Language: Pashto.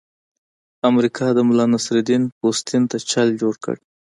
امریکا د ملانصرالدین پوستین ته چل جوړ کړی.